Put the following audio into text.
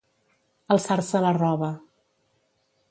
Alçar-se la roba.